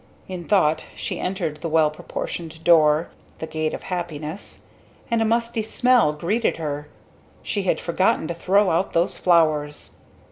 In thought she entered the well proportioned door the Gate of Happiness and a musty smell greeted her she had forgotten to throw out those flowers!